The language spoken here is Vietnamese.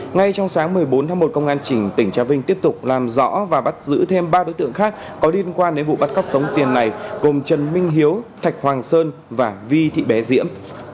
ngay trong sáng một mươi bốn tháng một công an tỉnh trà vinh tiếp tục làm rõ và bắt giữ thêm ba đối tượng khác có liên quan đến vụ bắt cóc tống tiền này gồm trần minh hiếu thạch hoàng sơn và vi thị bé diễm